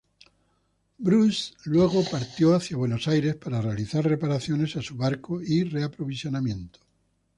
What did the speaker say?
Bruce luego partió hacia Buenos Aires para realizar reparaciones a su barco y reaprovisionamiento.